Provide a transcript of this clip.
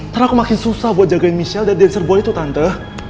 ternyata aku makin susah buat jagain miss l dan dancer boy itu tante